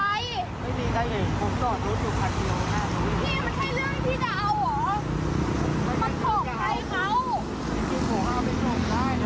พี่มันใช่เรื่องที่จะเอาเหรอมันของใครเขามันของเอาไปส่งได้นะ